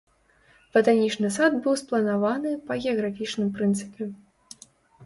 Батанічны сад быў спланаваны па геаграфічным прынцыпе.